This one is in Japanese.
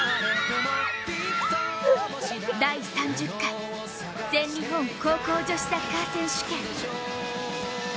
第３０回全日本高校女子サッカー選手権。